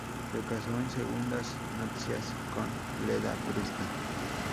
Se casó en segundas nupcias con Leda Presta.